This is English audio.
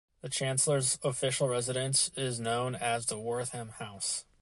The Chancellor's official residence is known as the Wortham House.